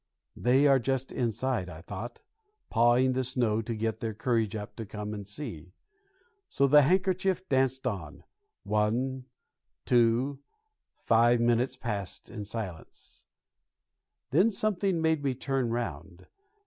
"They are just inside," I thought, "pawing the snow to get their courage up to come and see." So the handkerchief danced on one, two, five minutes passed in silence; then something made me turn round.